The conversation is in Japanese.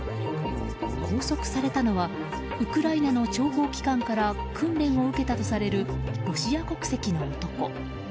拘束されたのはウクライナの諜報機関から訓練を受けたとされるロシア国籍の男。